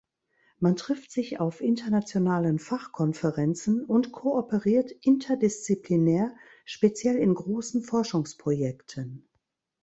Man trifft sich auf internationalen Fachkonferenzen und kooperiert interdisziplinär, speziell in großen Forschungsprojekten.